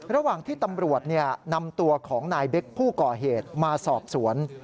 ระหว่างที่ตำรวจนำตัวของนายเบคผู้ก่อเหตุมาสอบสวน